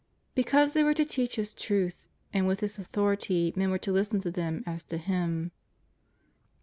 Because they were to teach His truth, and with His authority, men were to listen to them as to Him.